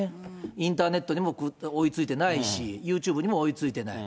インターネットにも追いついてないし、ユーチューブにも追いついてない。